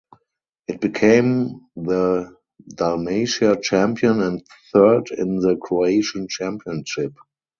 It became the Dalmatia champion and third in the Croatian championship.